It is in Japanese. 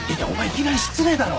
いきなり失礼だろ